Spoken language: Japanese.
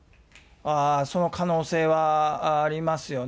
その可能性はありますよね。